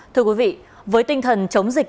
thưa quý vị với tinh thần chống dịch